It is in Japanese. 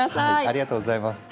ありがとうございます。